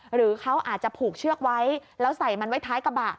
หรือเขาอาจจะผูกเชือกไว้แล้วใส่มันไว้ท้ายกระบะ